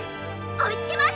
おいつけます！」。